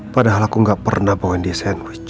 padahal aku gak pernah bawain dia sandwich